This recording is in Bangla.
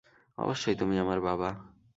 অবশ্যই তুমি আমার বাবা।